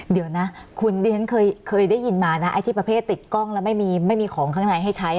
เดี๋ยวนะคุณดิฉันเคยได้ยินมานะไอ้ที่ประเภทติดกล้องแล้วไม่มีของข้างในให้ใช้